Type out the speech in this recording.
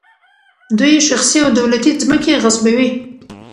دوی شخصي او دولتي ځمکې غصبوي.